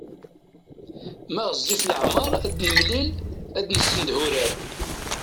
Ma ɣezzif leɛmeṛ ad nemlil ad nessendeh urar.